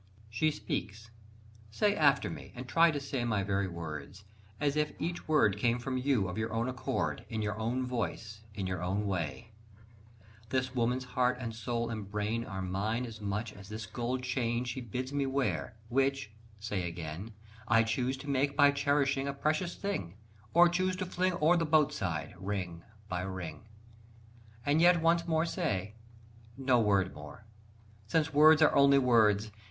She speaks. Say after me, and try to say My very words, as if each word Came from you of your own accord, In your own voice, in your own way: "This woman's heart and soul and brain Are mine as much as this gold chain She bids me wear; which," (say again) "I choose to make by cherishing A precious thing, or choose to fling Over the boat side, ring by ring." And yet once more say ... no word more! Since words are only words.